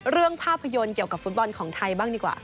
ภาพยนตร์เกี่ยวกับฟุตบอลของไทยบ้างดีกว่า